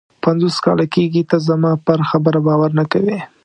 پنځوس کاله کېږي ته زما پر خبره باور نه کوې.